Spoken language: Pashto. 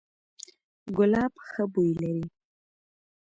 ګلاب ښه بوی لري